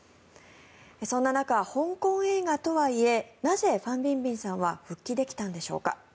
そんな中、香港映画とはいえなぜファン・ビンビンさんは復帰できたんでしょうか。